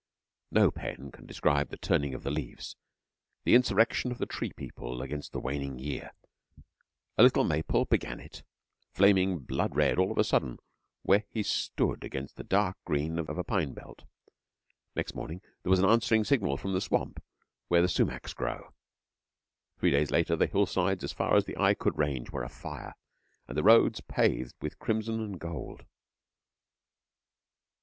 No pen can describe the turning of the leaves the insurrection of the tree people against the waning year. A little maple began it, flaming blood red of a sudden where he stood against the dark green of a pine belt. Next morning there was an answering signal from the swamp where the sumacs grow. Three days later, the hill sides as far as the eye could range were afire, and the roads paved, with crimson and gold.